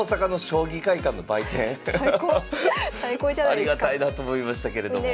ありがたいなと思いましたけれども。